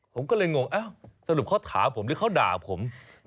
ผมก็เลยงงสรุปเขาถามผมหรือเขาด่าผม